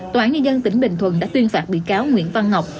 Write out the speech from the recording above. tòa án nhân dân tỉnh bình thuận đã tuyên phạt bị cáo nguyễn văn ngọc